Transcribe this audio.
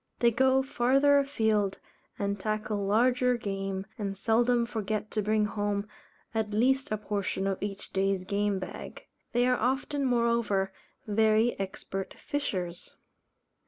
They go farther afield, and tackle larger game, and seldom forget to bring home at least a portion of each day's game bag. They are often, moreover, very expert fishers.